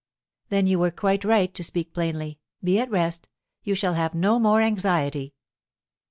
"Then you were quite right to speak plainly. Be at rest; you shall have no more anxiety."